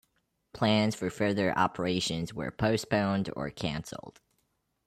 Plans for further operations were postponed or cancelled.